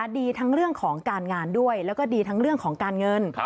ดีทั้งเรื่องของการงานด้วยแล้วก็ดีทั้งเรื่องของการเงิน